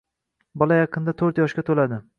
Bola yaqina to‘rt yoshga to‘ladi